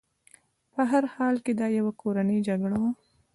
په هر حال دا یوه کورنۍ جګړه وه.